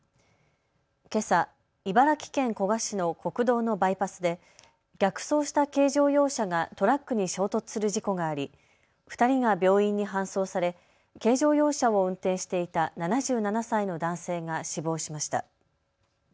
けさ茨城県古河市の国道のバイパスで逆走した軽乗用車がトラックに衝突する事故があり２人が病院に搬送され軽乗用車を運転していた７７歳の男性が死亡しました。